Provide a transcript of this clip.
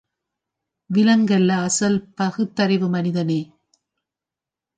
விலங்கல்ல அசல் பகுத்தறிவு மனிதனே!